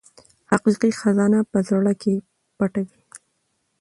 حقیقي خزانه په زړه کې پټه وي.